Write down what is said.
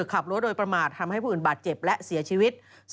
ขับรถโดยประมาททำให้ผู้อื่นบาดเจ็บและเสียชีวิต